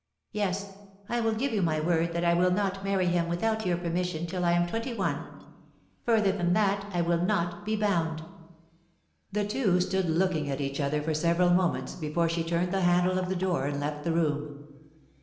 Yes — I will give you my word that I will not marry him without your permission till I am twenty one. Further than that I will not be bound.' The two stood looking at each other for several moments before she turned the handle of the door and left the room.